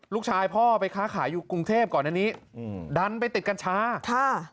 พ่อไปค้าขายอยู่กรุงเทพก่อนอันนี้อืมดันไปติดกัญชาค่ะ